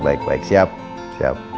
baik baik siap